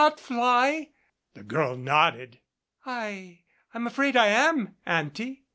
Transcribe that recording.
Not fly /" The girl nodded. "I I'm afraid I am, Auntie.